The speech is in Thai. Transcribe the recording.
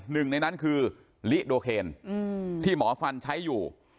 หนึ่งในนั้นคือลิโดเคนที่หมอฟันใช้อยู่